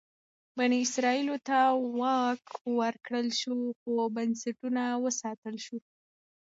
بني اسرائیلو ته واک ورکړل شو خو بنسټونه وساتل شول.